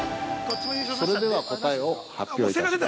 ◆それでは答えを発表いたします。